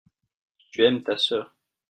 tu aimes ta sœur.